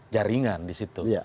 jaringan di situ